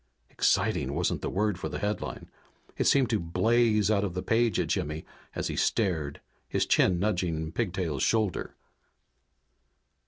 Exciting wasn't the word for the headline. It seemed to blaze out of the page at Jimmy as he stared, his chin nudging Pigtail's shoulder.